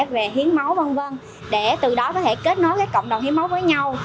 về hiến máu v v để từ đó có thể kết nối cộng đồng hiến máu với nhau